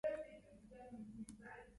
تزوج الشيخ أبي زوجة